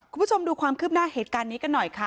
คุณผู้ชมดูความคืบหน้าเหตุการณ์นี้กันหน่อยค่ะ